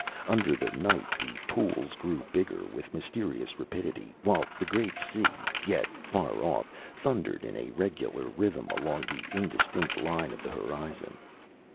Under the night the pools grew bigger with mysterious rapidity, while the great sea, yet far off, thundered in a regular rhythm along the indistinct line of the horizon.